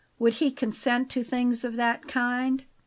Would he consent to things of that kind?"